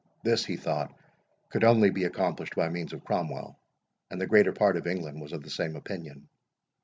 This, he thought, could only be accomplished by means of Cromwell, and the greater part of England was of the same opinion.